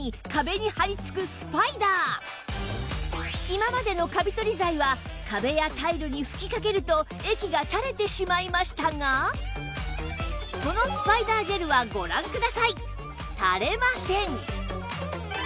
今までのカビ取り剤は壁やタイルに吹きかけると液がたれてしまいましたがこのスパイダージェルはご覧くださいたれません！